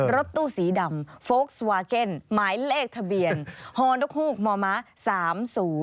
รถตู้สีดำโฟลกซ์วาเก็นหมายเลขทะเบียนฮอร์นด๊อกฮูกมม๓๐